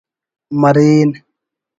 مرین